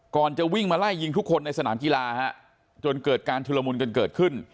จะวิ่งมาไล่ยิงทุกคนในสนามกีฬาฮะจนเกิดการชุลมุนกันเกิดขึ้น